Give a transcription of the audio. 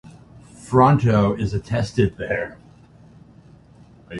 Fronto is attested there.